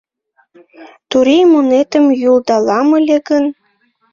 Турий мунетым йӱлдалам ыле гын